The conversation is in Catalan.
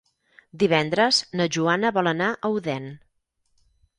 Divendres na Joana vol anar a Odèn.